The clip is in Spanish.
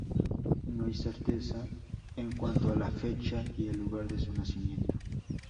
No hay certeza en cuanto a la fecha y el lugar de su nacimiento.